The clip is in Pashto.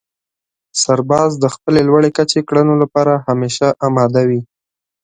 سرباز د خپلې لوړې کچې کړنو لپاره همېشه اماده وي.